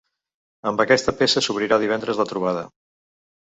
Amb aquesta peça s’obrirà divendres la trobada.